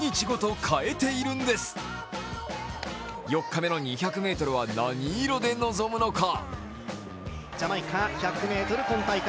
４日目の２００ｍは何色で臨むのか？